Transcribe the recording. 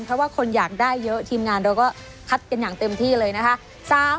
เพราะว่าคนอยากได้เยอะทีมงานเราก็คัดกันอย่างเต็มที่เลยนะคะ